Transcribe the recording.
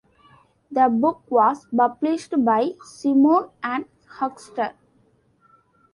The book was published by Simon and Schuster.